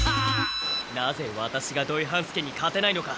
なぜワタシが土井半助に勝てないのか。